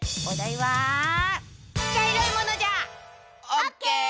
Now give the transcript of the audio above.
オッケー！